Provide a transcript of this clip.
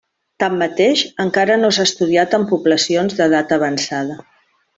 Tanmateix, encara no s'ha estudiat en poblacions d'edat avançada.